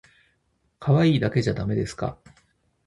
かわいいだけじゃだめですか？